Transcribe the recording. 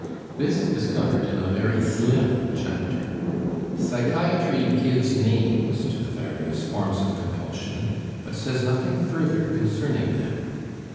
This is covered in a very slim chapter. Psychiatry gives names to the various forms of compulsion, but says nothing further concerning them.